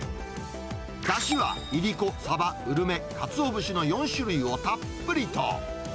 だしは、イリコ、サバ、ウルメ、カツオ節の４種類をたっぷりと。